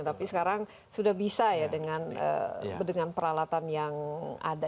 tapi sekarang sudah bisa ya dengan peralatan yang ada